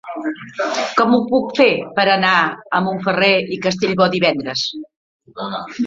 Com ho puc fer per anar a Montferrer i Castellbò divendres?